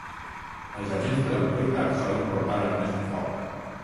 Els agents de l'autoritat solen portar armes de foc.